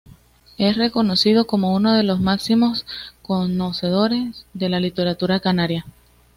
Es reconocido como uno de los máximos conocedores de la literatura canaria.